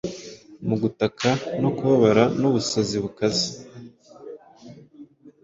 Mu gutaka no kubabara n’ ubusazi bukaze